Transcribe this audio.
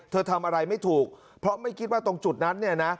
เธอทำอะไรไม่ถูกเพราะไม่คิดว่าตรงจุดนั้น